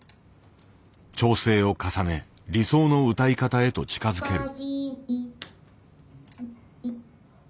調整を重ね理想の歌い方へと近づける。